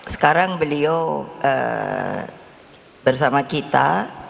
sekarang beliau bersama kita